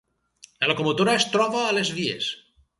La locomotora es troba a les vies!